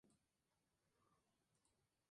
Es sólo 'eso'.